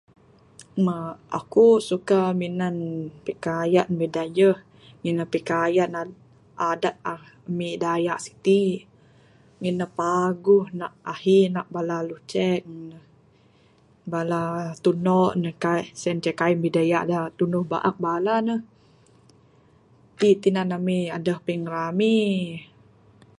Ma, akuk suka minan pikaian Bidayuh. Ngi ne pikaian adat amik, dayak sitik, Ngin ne paguh. Nak ahi nak bala luceng ne. Bala tuno ne, kaik sien ceh kaik bidayak da tunduh baak bala ne. Tik tinan ami aduh pingrami.